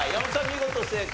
見事正解。